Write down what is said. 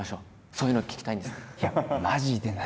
そういうのを聞きたいんです。